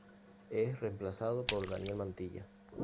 Es reemplazado por Daniel Mantilla.